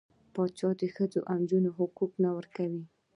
پاچا د ښځو او نجونـو حقونه نه ورکوي .